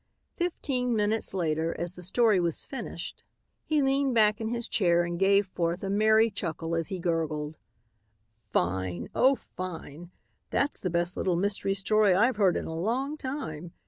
Fifteen minutes later, as the story was finished, he leaned back in his chair and gave forth a merry chuckle as he gurgled, "Fine! Oh, fine! That's the best little mystery story I've heard in a long time.